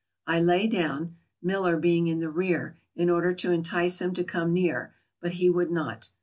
I lay down (Miller being in the rear) in order to entice him to come near, but he would not.